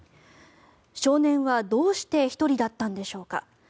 少年はどうして１人だったんでしょうか。